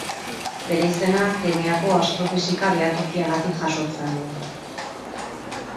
Bere izena Krimeako Astrofisika Behatokiagatik jasotzen du.